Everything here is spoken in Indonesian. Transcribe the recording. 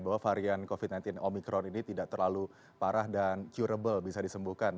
bahwa varian covid sembilan belas omikron ini tidak terlalu parah dan curable bisa disembuhkan